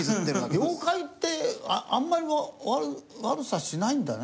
妖怪ってあんまり悪さしないんだね。